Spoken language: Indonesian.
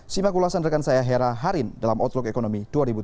simak ulasan rekan saya hera harin dalam outlook ekonomi dua ribu tujuh belas